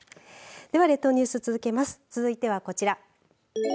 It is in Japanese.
では、列島ニュース続いてはこちら。